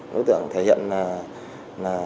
đối tượng thể hiện là